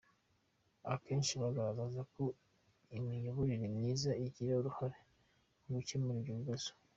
Akenshi bagaragaza uko imiyoborere myiza igira uruhare mu gukemura ibyo bibazo.